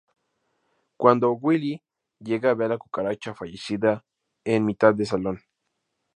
Cuando Willie llega ve a la cucaracha fallecida en mitad del salón.